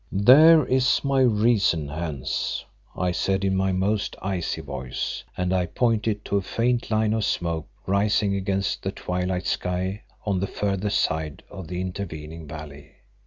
"There is my reason, Hans," I said in my most icy voice, and I pointed to a faint line of smoke rising against the twilight sky on the further side of the intervening valley.